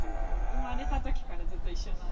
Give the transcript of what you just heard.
生まれた時からずっと一緒なんで。